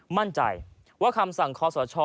มั่นใจว่าคำสั่งคอสช